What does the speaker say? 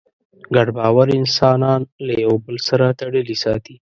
ګډ باور انسانان له یوه بل سره تړلي ساتي.